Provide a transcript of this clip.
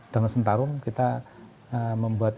dengan sentarung kita membuat